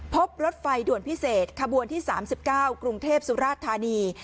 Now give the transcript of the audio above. พบรถไฟด่วนพิเศษขบวนที่สามสิบเก้ากรุงเทพฯสุราชธานี